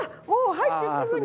入ってすぐに。